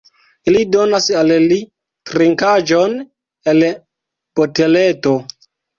Ili donas al li trinkaĵon el boteleto.